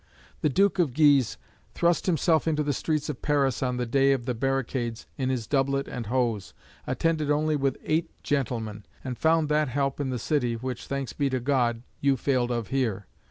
The Duke of Guise thrust himself into the streets of Paris on the day of the Barricades in his doublet and hose, attended only with eight gentlemen, and found that help in the city which (thanks be to God) you failed of here.